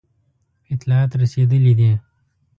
اطلاعات رسېدلي دي.